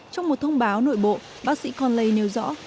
trong một thông báo nội bộ bác sĩ conley nêu rõ